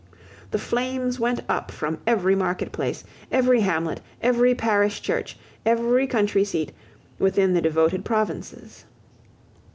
The flames went up from every marketplace, every hamlet, every parish church, every country seat, within the devoted provinces.